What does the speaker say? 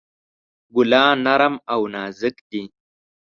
ګلان نرم او نازک دي.